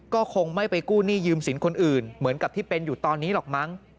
ก็คงไม่ไปกู้หนี้ยืมสินคนอื่นเหมือนกับที่เป็นอยู่ตอนนี้หรอกมั้ง